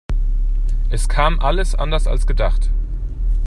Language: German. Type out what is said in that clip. Es kam alles anders als gedacht.